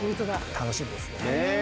楽しみですね。